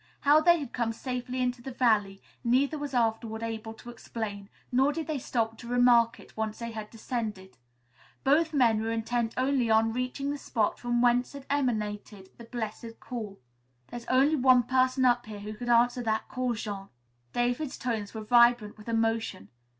How they had come safely into the valley, neither was afterward able to explain, nor did they stop to remark it, once they had descended. Both men were intent only on reaching the spot from whence had emanated that blessed call. "There's only one person up here who could answer that call, Jean." David's tones were vibrant with emotion.